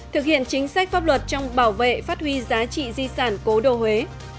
thực hiện chính sách pháp luật trong bảo vệ phát huy giá trị di sản cố đô huế